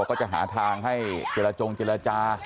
ก็จะหาทางให้เจรจงเจรจา